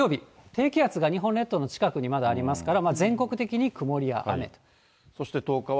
低気圧が日本列島の近くにまだありますから、全国的に曇りや雨。